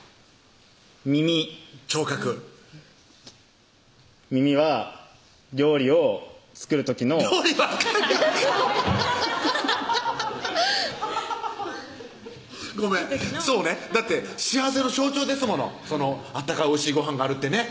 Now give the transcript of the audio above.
耳聴覚耳は料理を作る時の料理ばっかりやんかごめんそうねだって幸せの象徴ですもの温かいおいしいごはんがあるってね